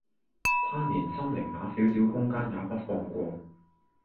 他連心靈那小小的空間也不放過